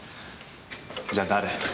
じゃあ誰？